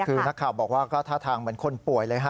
คือนักข่าวบอกว่าก็ท่าทางเหมือนคนป่วยเลยฮะ